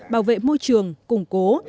bảo vệ môi trường củng cố